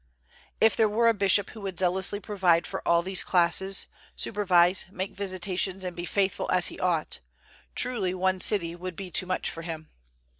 If there were a bishop who would zealously provide for all these classes, supervise, make visitations and be faithful as he ought, truly, one city would be too much for him.